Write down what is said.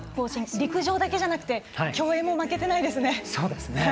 陸上だけじゃなくて競泳も負けてないですね。